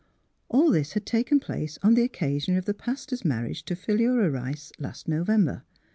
All this had taken place on the occa sion of the pastor's marriage to Philura Rice, last November.